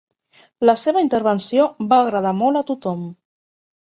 La seva intervenció va agradar molt a tothom.